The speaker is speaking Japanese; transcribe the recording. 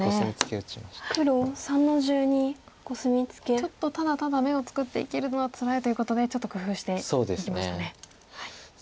ちょっとただただ眼を作って生きるのはつらいということでちょっと工夫していきましたね。